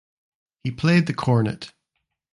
He played the cornet.